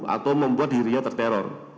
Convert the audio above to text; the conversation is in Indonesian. atau membuat dirinya terteror